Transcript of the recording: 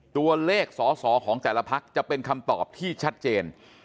ตัวเลขสอสอของแต่ละพักจะเป็นคำตอบที่ชัดเจน